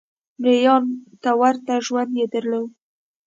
مریانو ته ورته ژوند یې درلود.